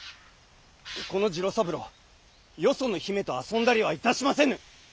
この次郎三郎よその姫と遊んだりはいたしませぬ！